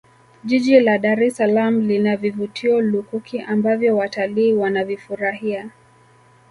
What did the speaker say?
jiji la dar es salaam lina vivutio lukuki ambavyo watalii Wanavifurahia